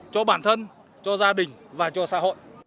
cho bản thân cho gia đình và cho xã hội